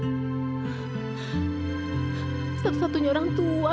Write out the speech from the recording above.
dan satu satunya orang tua